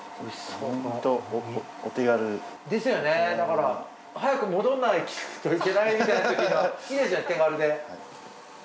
ホントお手軽。ですよねだから早く戻らないといけないみたいなときにはいいですよね手軽で。